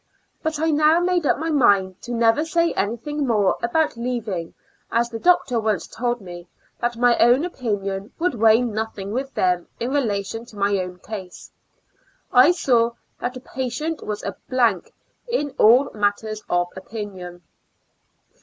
But I now made up my mind to never say any thing more about leaving, as the doctor once told me that my own opinion would weigh nothing with them in relation to my own case. I saw that a patient was a blank in all matters of opinion.